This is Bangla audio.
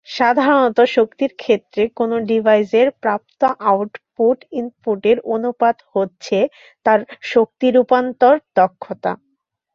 সাধারণত শক্তির ক্ষেত্রে, কোনো ডিভাইসের প্রাপ্ত আউটপুট ইনপুটের অনুপাত হচ্ছে তার শক্তি রূপান্তর দক্ষতা।